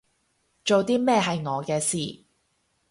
做啲咩係我嘅事